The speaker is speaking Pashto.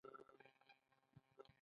څومره ورته سره ښکاري